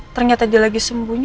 ternyata dia lagi sembunyi